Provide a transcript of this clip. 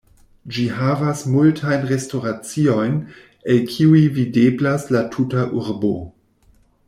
Ĝi havas multajn restoraciojn, el kiuj videblas la tuta urbo.